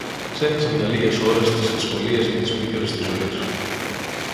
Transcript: ξέχασαν για λίγες ώρες τις δυσκολίες και τις πίκρες της ζωής.